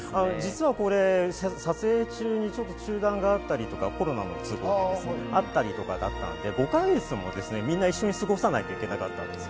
実はこれ、撮影中に中断があったりとか、コロナのことであったりしたので、５か月もみんな一緒に過ごさないといけなかったんです。